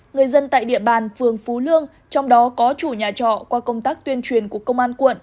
người dân tại địa bàn phường phú lương trong đó có chủ nhà trọ qua công tác tuyên truyền của công an quận